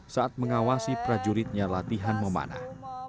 saat mengawasi prajuritnya latihan memanah